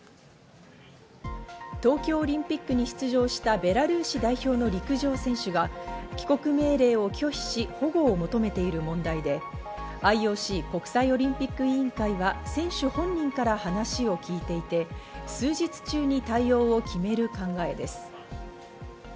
東京オリンピックに出場したベラルーシ代表の陸上選手が帰国命令を拒否し、保護を求めている問題で、ＩＯＣ＝国際オリンピック委員会は選手本人から話を聞いていて、数日中に対応を決める考えです。